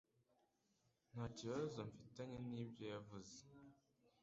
Nta kibazo mfitanye nibyo yavuze.